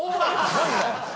何だよ！